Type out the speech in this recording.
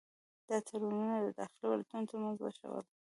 دا تړونونه د داخلي ولایتونو ترمنځ وشول.